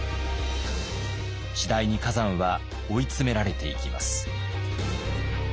次第に崋山は追い詰められていきます。